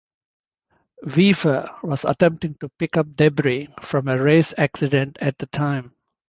Weaver was attempting to pick up debris from a race accident at the time.